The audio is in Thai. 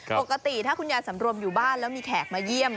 ปกติถ้าคุณยายสำรวมอยู่บ้านแล้วมีแขกมาเยี่ยม